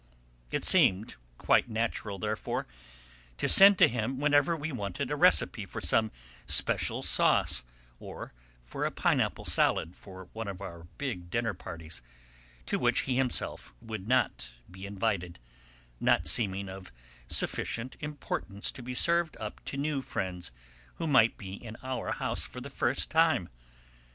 It seemed quite natural, therefore, to send to him whenever we wanted a recipe for some special sauce or for a pineapple salad for one of our big dinner parties, to which he himself would not be invited, not seeming of sufficient importance to be served up to new friends who might be in our house for the first time.